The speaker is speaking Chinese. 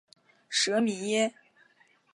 舍米耶。